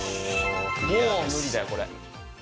もう無理だよこれ。